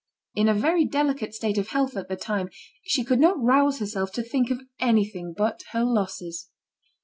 In a very delicate state of health at the time, she could not rouse herself to think of anything but her losses.